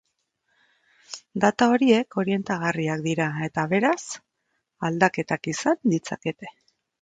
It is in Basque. Data horiek orientagarriak dira eta beraz, aldaketak izan ditzakete.